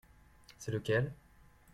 C'est lequel ?